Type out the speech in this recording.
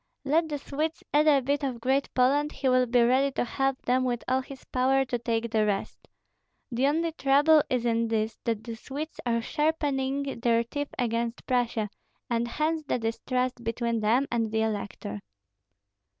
Let the Swedes add a bit of Great Poland, he will be ready to help them with all his power to take the rest. The only trouble is in this, that the Swedes are sharpening their teeth against Prussia, and hence the distrust between them and the elector."